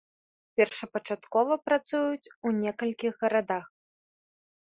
Першапачаткова працуюць ў некалькіх гарадах.